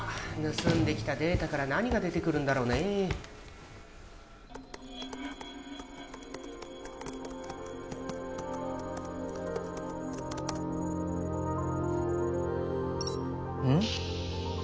盗んできたデータから何が出てくるんだろうねえうん？